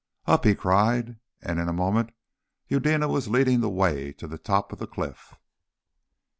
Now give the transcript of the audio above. "Up!" he cried, and in a moment Eudena was leading the way to the top of the cliff.